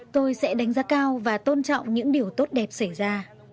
tôi sẽ đánh giá cao và tôn trọng những điều tốt đẹp xảy ra